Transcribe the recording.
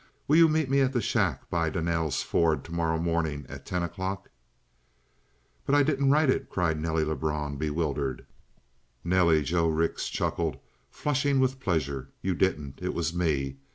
Will you meet me at the shack by Donnell's ford tomorrow morning at ten o'clock? "But I didn't write it," cried Nelly Lebrun, bewildered. "Nelly," Joe Rix chuckled, flushing with pleasure, "you didn't. It was me.